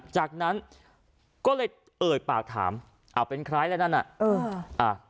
จากนั้นก็เลยเอ่ยปากถามอ้าวเป็นใครแล้วนั่นน่ะเอออ่า